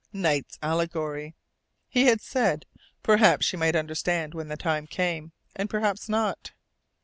Knight's allegory! He had said, perhaps she might understand when the time came; and perhaps not.